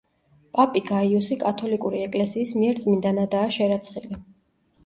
პაპი გაიუსი კათოლიკური ეკლესიის მიერ წმინდანადაა შერაცხილი.